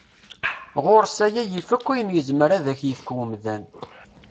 Ɣur-s aya yif akk ayen yezmer ad ak-yefk umdan.